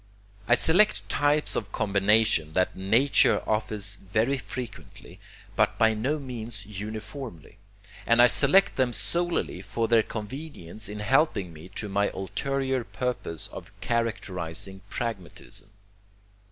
I select types of combination that nature offers very frequently, but by no means uniformly, and I select them solely for their convenience in helping me to my ulterior purpose of characterizing pragmatism.